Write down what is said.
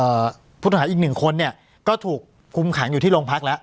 ผู้ต้องหาอีกหนึ่งคนเนี่ยก็ถูกคุมขังอยู่ที่โรงพักแล้ว